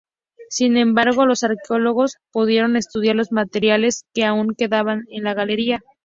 Sin embargo, los arqueólogos pudieron estudiar los materiales que aún quedaban en la galería.